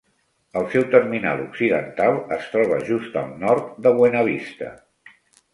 El seu terminal occidental es troba just al nord de Buena Vista.